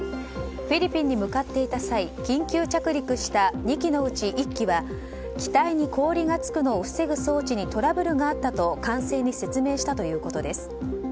フィリピンに向かっていた際緊急着陸した２機のうち１機は機体に氷がつくのを防ぐ装置にトラブルがあったと管制に説明したということです。